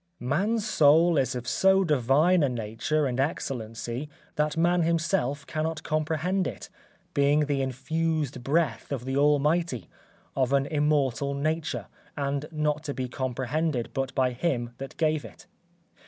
_ Man's soul is of so divine a nature and excellency that man himself cannot comprehend it, being the infused breath of the Almighty, of an immortal nature, and not to be comprehended but by Him that gave it.